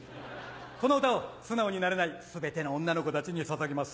この歌を素直になれない全ての女の子たちにささげます。